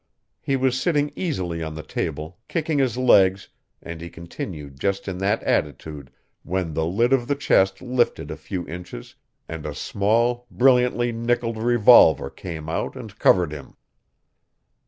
He was sitting easily on the table, kicking his legs, and he continued just in that attitude when the lid of the chest lifted a few inches and a small brilliantly nickelled revolver came out and covered him.